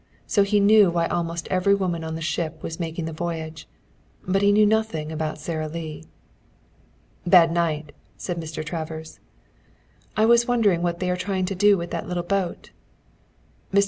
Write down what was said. So he knew why almost every woman on the ship was making the voyage; but he knew nothing about Sara Lee. "Bad night," said Mr. Travers. "I was wondering what they are trying to do with that little boat." Mr.